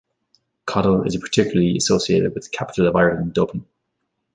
Coddle is particularly associated with the capital of Ireland, Dublin.